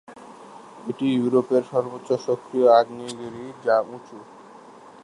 এটি ইউরোপের সর্ব্বোচ্চ সক্রিয় আগ্নেয়গিরি, যা উচুঁ।